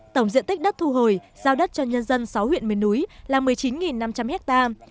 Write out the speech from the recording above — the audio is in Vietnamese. tổng diện tích đất thu hồi giao đất cho nhân dân sáu huyện miền núi là một mươi chín năm trăm linh hectare